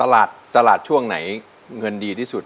ตลาดช่วงไหนเงินดีที่สุด